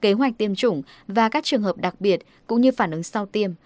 kế hoạch tiêm chủng và các trường hợp đặc biệt cũng như phản ứng sau tiêm